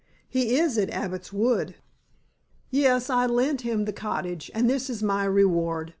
"He is at Abbot's Wood." "Yes, I lent him the cottage, and this is my reward.